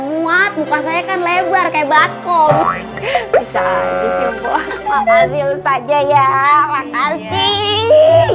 muat muka saya kan lebar kebaskoh bisa ada itu walaupun tajamu saja ya makasih